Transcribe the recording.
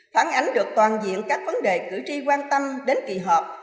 phản ánh được toàn diện các vấn đề cử tri quan tâm đến kỳ họp